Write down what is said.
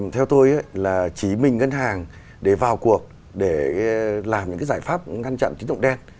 theo tôi là chỉ mình ngân hàng để vào cuộc để làm những cái giải pháp ngăn chặn tín dụng đen